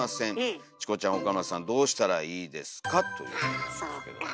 あそうか。